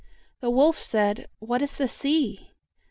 The wolf said, "What is the sea?"